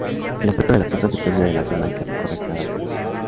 El aspecto de las costas depende de la zona que recorra cada canal.